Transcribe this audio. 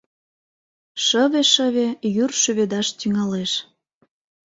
Шыве-шыве йӱр шӱведаш тӱҥалеш.